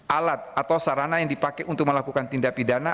alat atau sarana yang dipakai untuk melakukan tindak pidana